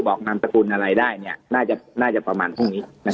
บอกนามสกุลอะไรได้เนี่ยน่าจะน่าจะประมาณพรุ่งนี้นะครับ